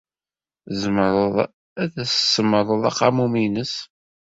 Tzemreḍ ad as-tsemmṛeḍ aqamum-nnes?